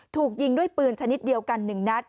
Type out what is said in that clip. ถูกยิงด้วยปืนชนิดเดียวกัน๑นัด